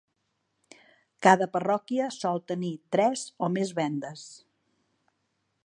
Cada parròquia sol tenir tres o més véndes.